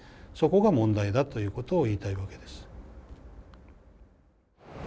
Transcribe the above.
そこが問題だということを言いたいわけです。